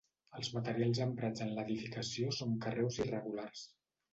Els materials emprats en l'edificació són carreus irregulars.